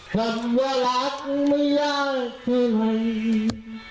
คำว่ารักไม่ยากเท่าไหร่